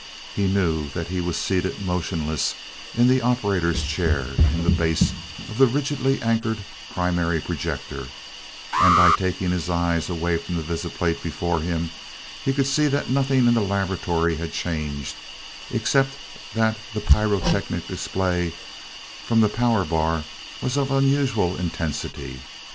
He knew that he was seated motionless in the operator's chair in the base of the rigidly anchored primary projector, and by taking his eyes away from the visiplate before him, he could see that nothing in the laboratory had changed, except that the pyrotechnic display from the power bar was of unusual intensity.